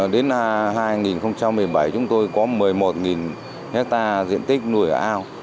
đến hai nghìn một mươi bảy chúng tôi có một mươi một hectare diện tích nuôi ở ao